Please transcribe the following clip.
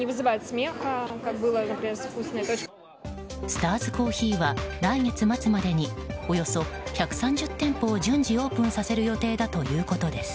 スターズコーヒーは来月末までにおよそ１３０店舗を順次オープンさせる予定だということです。